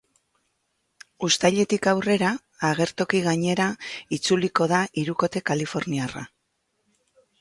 Uztailetik aurrera agertoki gainera itzuliko da hirukote kaliforniarra.